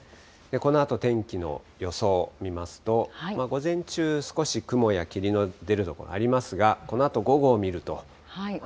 このあと、天気の予想見ますと、午前中、少し雲や霧の出る所ありますが、このあと午後を見ると。